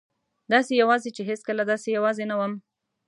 داسې یوازې چې هېڅکله داسې یوازې نه وم.